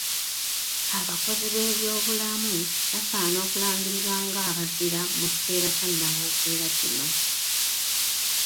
Abakozi b'ebyobulamu basaana okulangirirwa ng'abazira mu kiseera kya nawookera kino